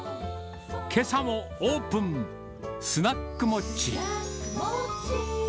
けさもオープン、スナックモッチー。